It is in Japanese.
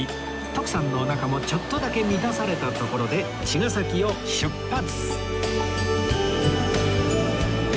徳さんのおなかもちょっとだけ満たされたところで茅ヶ崎を出発！